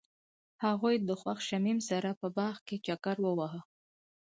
هغوی د خوښ شمیم سره په باغ کې چکر وواهه.